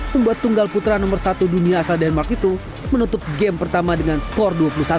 membuat tunggal putra nomor satu dunia asal denmark itu menutup game pertama dengan skor dua puluh satu